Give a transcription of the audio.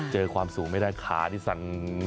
ความสูงไม่ได้ขานี่สั่น